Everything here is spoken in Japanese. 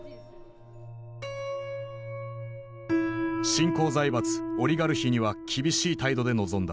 新興財閥オリガルヒには厳しい態度で臨んだ。